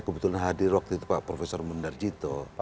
kebetulan hadir waktu itu pak profesor mundarjito